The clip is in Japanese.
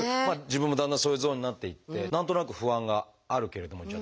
自分もだんだんそういうゾーンになっていって何となく不安があるけれどもじゃ